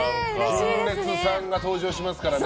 純烈さんが登場しますからね。